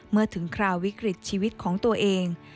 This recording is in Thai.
เมื่อถึงคราววิกฤตชีวิตของตัวเอง